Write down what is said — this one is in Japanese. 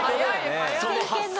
その発想を。